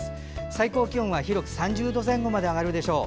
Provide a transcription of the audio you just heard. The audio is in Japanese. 最高気温は広く３０度前後まで上がるでしょう。